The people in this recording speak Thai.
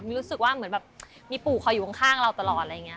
มีรู้สึกว่าเหมือนแบบมีปู่คอยอยู่ข้างเราตลอดอะไรอย่างนี้